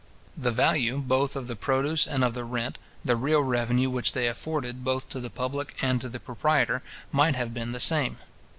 The value, both of the produce and of the rent, the real revenue which they afforded, both to the public and to the proprietor, might have been the same.